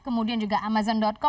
kemudian juga amazon com